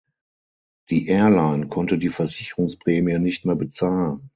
Die Airline konnte die Versicherungsprämie nicht mehr bezahlen.